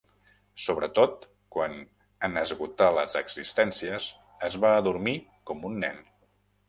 Sobretot quan en esgotar les existències es va adormir com un nen.